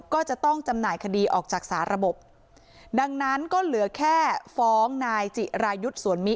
ก็จะต้องจำหน่ายคดีออกจากสาระบบดังนั้นก็เหลือแค่ฟ้องนายจิรายุทธ์สวนมิ